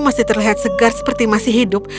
masih terlihat segar seperti masih hidup